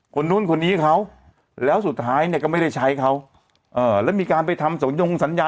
คนนู้นคนนี้เขาแล้วสุดท้ายเนี่ยก็ไม่ได้ใช้เขาเอ่อแล้วมีการไปทำสัญญงสัญญา